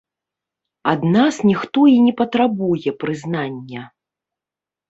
Ад нас ніхто і не патрабуе прызнання.